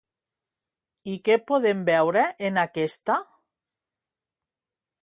I què podem veure en aquesta?